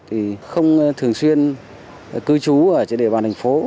thì không thường xuyên cư trú ở trên địa bàn thành phố